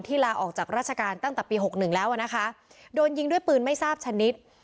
ลาออกจากราชการตั้งแต่ปีหกหนึ่งแล้วอ่ะนะคะโดนยิงด้วยปืนไม่ทราบชนิด